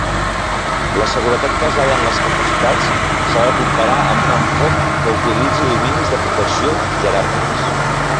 La seguretat basada en les capacitats s"ha de comparar amb un enfoc que utilitzi dominis de protecció jeràrquics.